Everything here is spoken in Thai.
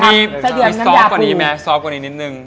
มีซอฟต์กว่านี้ไหมซอฟต์กว่านี้นิดนึง